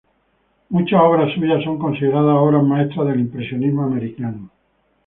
Muchas obras suyas son consideradas obras maestras del impresionismo americano.